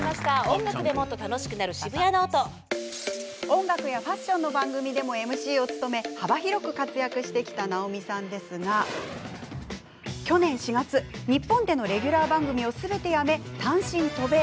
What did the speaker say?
音楽やファッションの番組でもＭＣを務め、幅広く活躍してきた直美さんですが、去年４月日本でのレギュラー番組をすべて辞め、単身渡米。